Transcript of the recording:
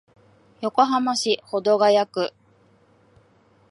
横浜市保土ケ谷区